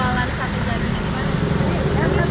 ya di jendong teh